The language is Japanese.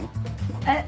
えっ。